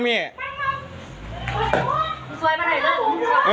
เนี่ยแบบนี้มันก็เป็นหลักฐานแหละคุณผู้ชมครับ